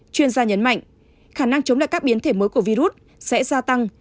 chuyên gia nhấn mạnh khả năng chống lại các biến thể mới của virus sẽ gia tăng